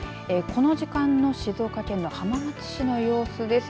この時間の静岡県の浜松市の様子です。